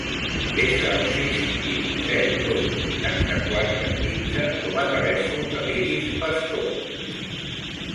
Desa el sis, vint, zero, dos, vuitanta-quatre, quinze com a telèfon de l'Iris Pastor.